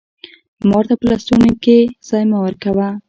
مار ته په لستوڼي کښي ځای مه ورکوه